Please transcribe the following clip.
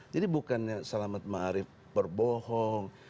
jadi bukannya selamat maharif berbohong